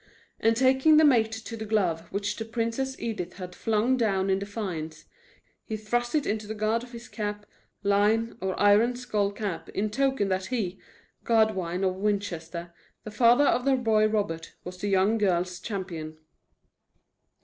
And, taking the mate to the glove which the Princess Edith had flung down in defiance, he thrust it into the guard of his cappe. line, or iron skull cap, in token that he, Godwine of Winchester, the father of the boy Robert, was the young girl's champion.